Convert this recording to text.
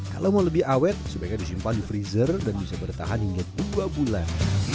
kalau mau lebih awet sebaiknya disimpan di freezer dan bisa bertahan hingga dua bulan